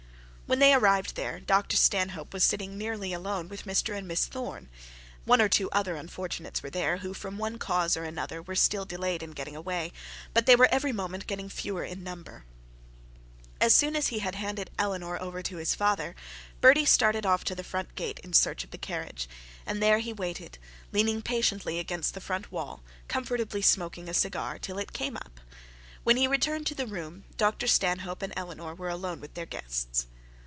When they arrived there, Dr Stanhope was sitting nearly alone with Mr and Miss Thorne; one or two other unfortunates were there, who from one cause or another were still delayed in getting away; but they were every moment getting fewer in number. As soon as he had handed Eleanor over to his father, Bertie started off to the front gate, in search of the carriage, and there waited leaning patiently against the front wall, and comfortably smoking a cigar, till it came up. When he returned to the room, Dr Stanhope and Eleanor were alone with their hosts.